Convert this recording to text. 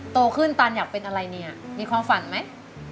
โตขึ้นตันอยากเป็นอะไรเนี่ยมีความฝันไหม